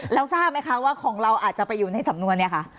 แล้วทราบไหมคะว่าของเราอาจจะไปอยู่ในสำนวนเนี่ยค่ะ